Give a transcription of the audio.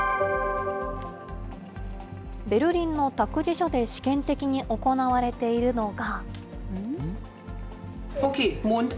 ベルリンの託児所で試験的に行われているのが。